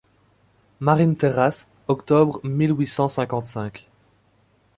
Marine-Terrace, octobre mille huit cent cinquante-cinq.